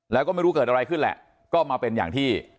แล้วก็ไม่รู้เกิดอะไรขึ้นแหละก็มาเป็นอย่างที่